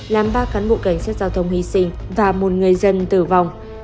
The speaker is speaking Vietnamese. làm ba cán bộ cảnh sát giao thông hy sinh và một người dân tử vong